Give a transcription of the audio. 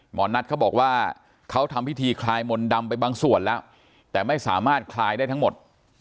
หมอนัทเขาบอกว่าเขาทำพิธีคลายมนต์ดำไปบางส่วนแล้วแต่ไม่สามารถคลายได้ทั้งหมด